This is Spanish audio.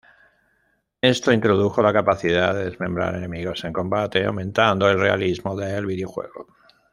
Esto introdujo la capacidad de desmembrar enemigos en combate, aumentando el realismo del videojuego.